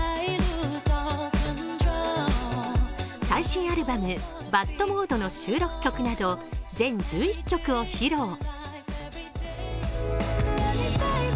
最新アルバム「ＢＡＤモード」の収録曲など全１１曲を披露。